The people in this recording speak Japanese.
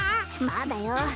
まだよ。